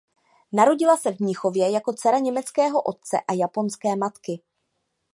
Narodila se v Mnichově jako dcera německého otce a japonské matky.